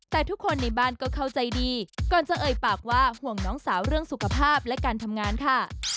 แต่ทุกคนในบ้านก็เข้าใจดีก่อนจะเอ่ยปากว่าห่วงน้องสาวเรื่องสุขภาพและการทำงานค่ะ